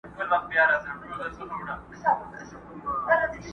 o چي د گيدړي په جنگ ځې، تايه به د زمري نيسې!